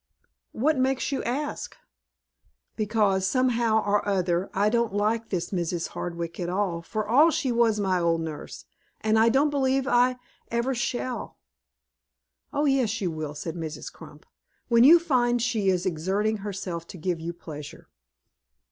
"What makes you ask?" "Because, somehow or other, I don't like this Mrs. Hardwick at all, for all she was my old nurse, and I don't believe ever shall." "Oh yes, you will," said Mrs. Crump, "when you find she is exerting herself to give you pleasure."